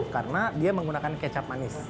karena dia menggunakan kecap manis